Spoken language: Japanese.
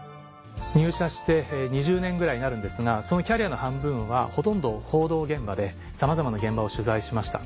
入社して２０年ぐらいになるんですがそのキャリアの半分はほとんど報道現場でさまざまな現場を取材しました。